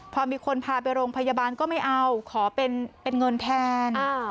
พอมีคนพาไปโรงพยาบาลก็ไม่เอาขอเป็นเงินแทน